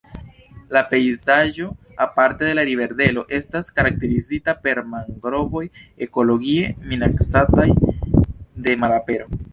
La pejzaĝo aparte en la riverdelto estas karakterizita per mangrovoj ekologie minacataj de malapero.